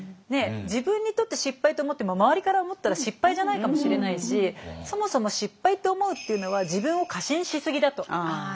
自分にとって失敗って思っても周りから思ったら失敗じゃないかもしれないしそもそも失敗と思うっていうのは自分を過信しすぎだと。